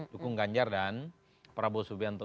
dukung ganjar dan prabowo subianto